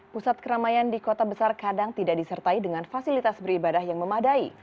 pusat keramaian di kota besar kadang tidak disertai dengan fasilitas beribadah yang memadai